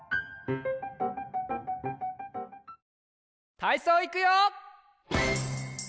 たいそういくよ！